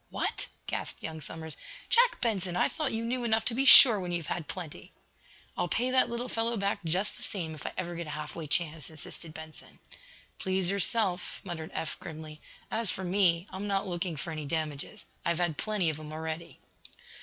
"What?" gasped young Somers. "Jack Benson, I thought you knew enough to be sure when you've had plenty!" "I'll pay that little fellow back, just the same, if I ever get a half way chance," insisted Benson. "Please yourself," muttered Eph, grimly. "As for me, I'm not looking for any damages. I've had plenty of 'em already."